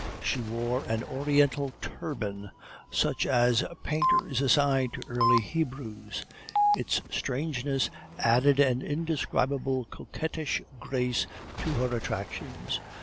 She wore an Oriental turban such as painters assign to early Hebrews; its strangeness added an indescribable coquettish grace to her attractions.